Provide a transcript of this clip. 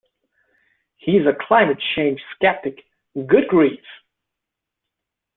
He is a climate change sceptic. Good grief!